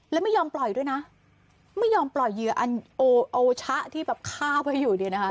แล้วไม่ยอมปล่อยด้วยนะไม่ยอมปล่อยเหยื่ออันเอาชะที่แบบฆ่าไว้อยู่เนี่ยนะคะ